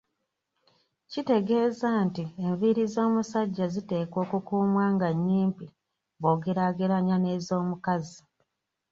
Kitegeeza nti, enviiri z'omusajja ziteekwa okukuumwa nga nnyimpi bw'ogerageranya n'ezomukazi.